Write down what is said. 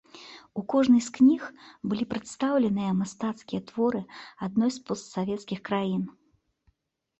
У кожнай з кніг былі прадстаўленыя мастацкія творы адной з постсавецкіх краін.